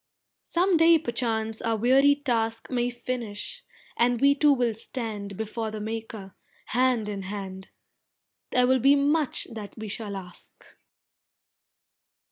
Some day perchance our weary task May finish, and we two will stand Before the Maker, hand in hand, There will be much that we shall ask!